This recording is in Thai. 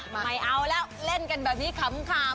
ไม่เอาแล้วเล่นกันแบบนี้ขำ